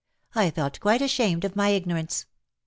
I felt quite ashamed of my ignorance.